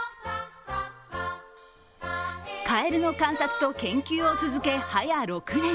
カエルの観察と研究を続け、早６年。